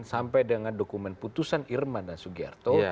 sampai dengan dokumen putusan irman dan sugiharto